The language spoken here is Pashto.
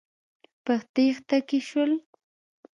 په تېښته کې شول.